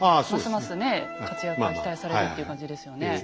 ますますね活躍が期待されるっていう感じですよね。